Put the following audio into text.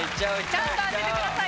ちゃんと当ててください。